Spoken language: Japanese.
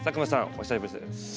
お久しぶりです。